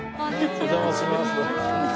お邪魔します。